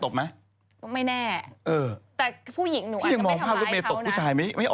แต่ผู้หญิงหนูอาจจะไม่ทำร้ายเขานะ